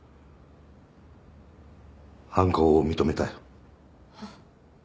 犯行を認めたよ。は？